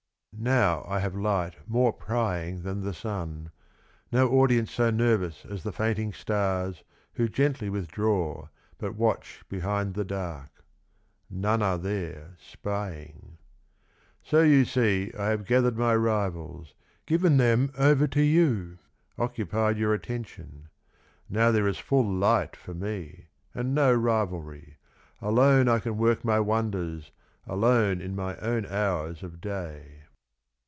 33 Now I have light more prying than the sun, no audience so nervous as the fainting stars who gently withdraw, but watch behind the dark; none are there, spying. So you see I have gathered my rivals, given them over to you, occupied your attention. Now there is full light for me, and no rivalry, alone I can work my wonders, alone in m}' own hours of day."